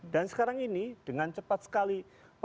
dan sekarang ini dengan cepat sekali